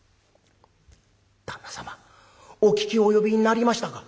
「旦那様お聞き及びになりましたか？」。